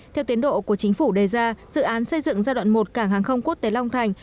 theo tiến độ của chính phủ đề ra dự án xây dựng giai đoạn một cảng hàng không quốc tế long thành